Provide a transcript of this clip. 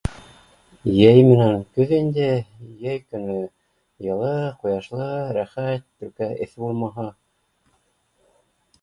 Йәй менән көҙ инде , йәй көнө йылы, ҡояшлы, рәхәт только эҫе булмаһа